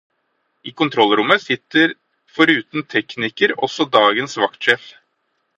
I kontrollrommet sitter foruten teknikker også dagens vaktsjef.